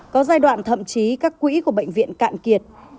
có giai đoạn thậm chí các quỹ của bệnh viện cạn kiệt